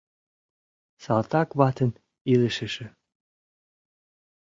Салтакватын илышыже -